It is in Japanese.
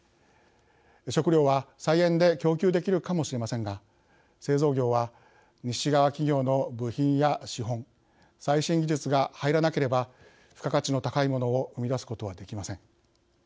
食料は菜園で供給できるかもしれませんが製造業は西側企業の部品や資本最新技術が入らなければ付加価値の高いものを生み出すことはできません。